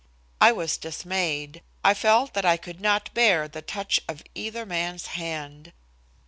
I was dismayed. I felt that I could not bear the touch of either man's hand.